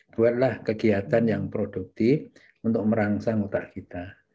buatlah kegiatan yang produktif untuk merangsang otak kita